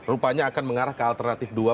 rupanya akan mengarah ke alternatif dua